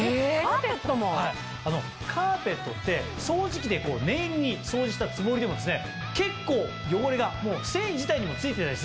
・カーペットって掃除機で念入りに掃除したつもりでも結構汚れが繊維自体にも付いていたりするんですよね。